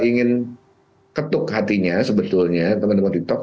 ini yang ingin ketuk hatinya sebetulnya teman teman tiktok